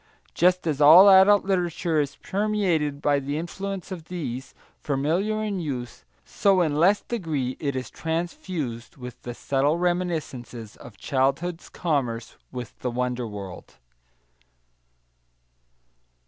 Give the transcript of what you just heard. Just as all adult literature is permeated by the influence of these, familiar in youth, so in less degree is it transfused with the subtle reminiscences of childhood's commerce with the wonder world.